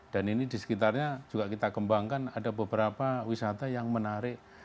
dan ini di sekitarnya juga kita kembangkan ada beberapa wisata yang menarik